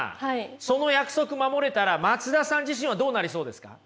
その約束守れたら松田さん自身はどうなりそうですか？